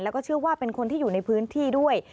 แล้วก็เชื่อว่าเป็นคนที่อยู่ในพื้นที่ด้วย